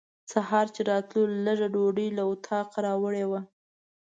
سهار چې راتلو لږه ډوډۍ له اطاقه راوړې وه.